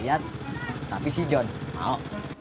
liat tapi si john mau